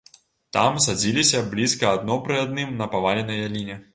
Там садзіліся блізка адно пры адным на паваленай яліне.